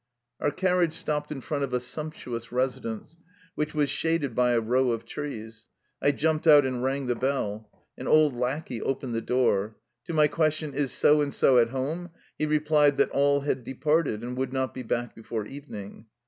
Our carriage stopped in front of a sumptuous residence, which was shaded by a row of trees. I jumped out and rang the bell. An old lackey opened the door. To my question, " Is so and so at home? '' he replied that all had departed and would not be back before evening.